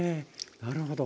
なるほど。